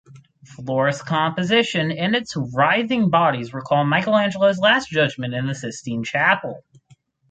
Floris composition and its writhing bodies recall Michelangelo’s Last Judgement in the Sistine Chapel.